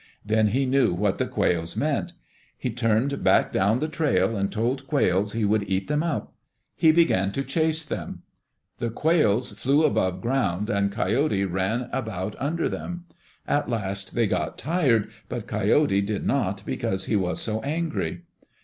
Then he knew what the quails meant. He turned back down the trail and told Quails he would eat them up. He began to chase them. The quails flew above ground and Coyote ran about under them. At last they got tired, but Coyote did not because he was so angry.